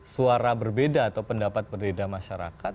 suara berbeda atau pendapat berbeda masyarakat